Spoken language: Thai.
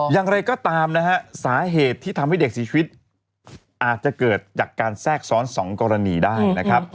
อย่างไรก็ตามนะฮะสาเหตุที่ทำให้เด็กเสียชีวิตอาจจะเกิดจากการแทรกซ้อน๒กรณีได้นะครับ